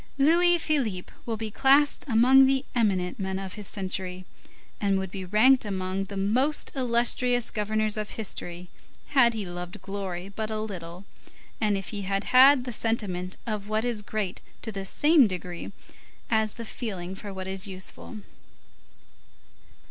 Louis Philippe will be classed among the eminent men of his century, and would be ranked among the most illustrious governors of history had he loved glory but a little, and if he had had the sentiment of what is great to the same degree as the feeling for what is useful.